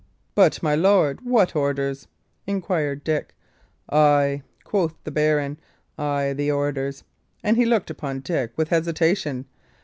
"But, my lord, what orders?" inquired Dick. "Ay," quoth the baron, "ay the orders;" and he looked upon Dick with hesitation.